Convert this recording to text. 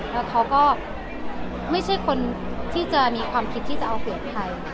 แล้วเขาก็ไม่ใช่คนที่จะมีความคิดที่จะเอาผิดใคร